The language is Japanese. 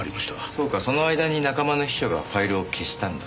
そうかその間に仲間の秘書がファイルを消したんだ。